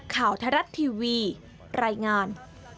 ทรัฐทีวีรายงาน